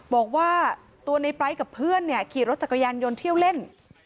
บอกว่าตัวในปลายกับเพื่อนเนี่ยขี่รถจักรยานยนต์เที่ยวเล่น